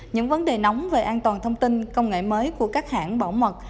những vấn đề nóng về an toàn thông tin công nghệ mới của các hãng bảo mật